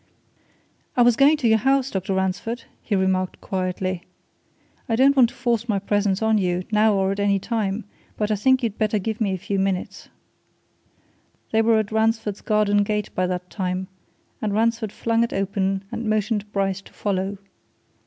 "I was going to your house, Dr. Ransford," he remarked quietly. "I don't want to force my presence on you, now or at any time but I think you'd better give me a few minutes." They were at Ransford's garden gate by that time, and Ransford flung it open and motioned Bryce to follow.